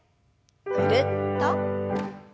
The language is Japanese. ぐるっと。